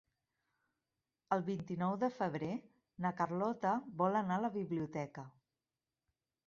El vint-i-nou de febrer na Carlota vol anar a la biblioteca.